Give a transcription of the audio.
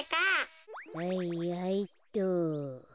はいはいっと。